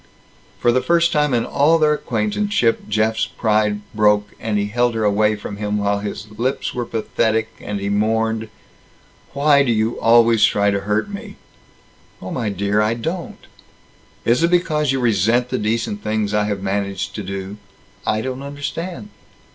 For the first time in all their acquaintanceship, Jeff's pride broke, and he held her away from him, while his lips were pathetic, and he mourned, "Why do you always try to hurt me?" "Oh, my dear, I don't." "Is it because you resent the decent things I have managed to do?" "I don't understand."